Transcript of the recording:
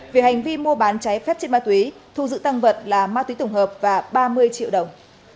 vì hành vi mua bán cháy phép chất ma túy thu giữ tăng vật là ma túy tổng hợp và ba mươi triệu đồng